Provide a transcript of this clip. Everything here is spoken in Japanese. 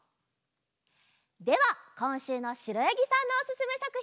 ではこんしゅうのしろやぎさんのおすすめさくひんです。